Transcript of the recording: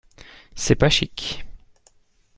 C’est pas chic !